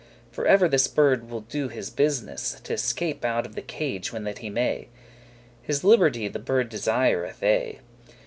For ever this bird will do his business T'escape out of his cage when that he may: His liberty the bird desireth aye.